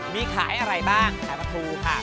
มีขายอะไรบ้างขายปลาทูค่ะ